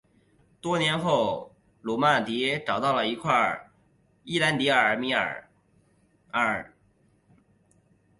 多年后萨鲁曼找到了第一块伊兰迪米尔。